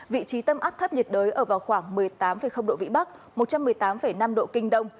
vị trí tâm áp thấp nhiệt đới ở vào khoảng một mươi tám độ vĩ bắc một trăm một mươi tám năm độ kinh đông